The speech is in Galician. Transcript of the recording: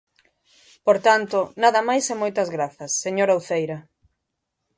Por tanto, nada máis e moitas grazas, señora Uceira.